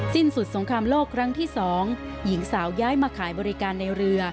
สิ้นสุดสงครามโลกครั้งที่๒หญิงสาวย้ายมาขายบริการในเรือ